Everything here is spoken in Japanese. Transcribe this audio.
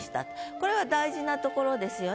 これは大事なところですよね。